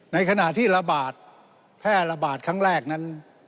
ในขณะที่ระบาดแพร่ระบาดครั้งแรกนั้น